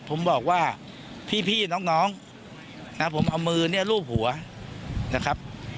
ผมบอกว่าพี่น้องนะผมเอามือเนี่ยรูปหัวนะครับ